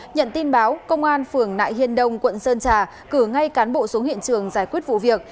nhận tin báo công an phường nại hiên đông quận sơn trà cử ngay cán bộ xuống hiện trường giải quyết vụ việc